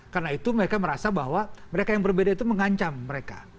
karena itu mereka merasa bahwa mereka yang berbeda itu mengancam mereka